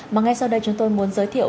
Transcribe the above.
mà ngay sau đây chúng tôi muốn giới thiệu